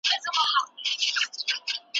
علم په سيستماتيک ډول د راتلونکي اټکل کوي.